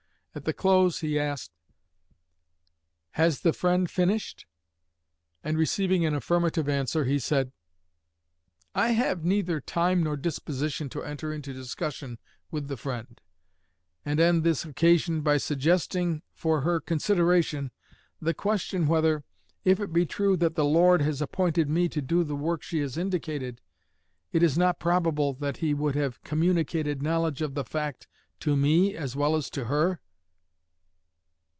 At the close he asked, "Has the Friend finished?" and receiving an affirmative answer, he said: "I have neither time nor disposition to enter into discussion with the Friend, and end this occasion by suggesting for her consideration the question whether, if it be true that the Lord has appointed me to do the work she has indicated, it is not probable that He would have communicated knowledge of the fact to me as well as to her?"